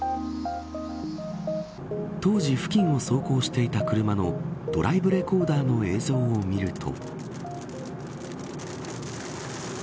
当時、付近を走行していた車のドライブレコーダーの映像を見ると。